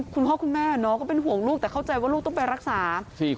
คุณพ่อคุณแม่ก็เป็นห่วงลูกแต่เข้าใจว่าลูกต้องไปรักษา